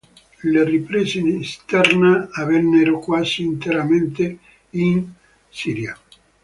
Le riprese in esterna avvennero quasi interamente in Israele.